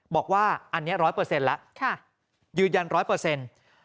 บอกว่าอันนี้๑๐๐แล้วยืนยัน๑๐๐